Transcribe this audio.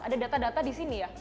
ada data data di sini ya